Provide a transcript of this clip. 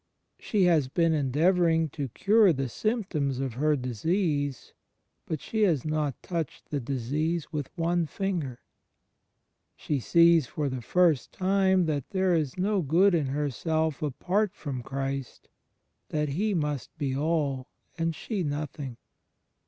She has been endeavouring to cure the symptoms of her disease, but she has not touched the disease with ope finger. She sees for the first time that there is no good in herself apart from Christ; that He must be aU, and she nothing.